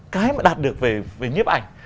cái mà đạt được về nhiếp ảnh